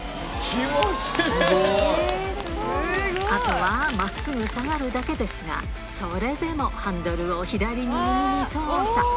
あとはまっすぐ下がるだけですが、それでもハンドルを左に右に操作。